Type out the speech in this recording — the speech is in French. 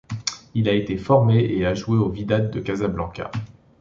Il a été formé et a joué au Wydad de Casablanca.